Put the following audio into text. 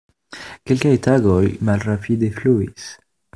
Kelkaj tagoj malrapide fluis.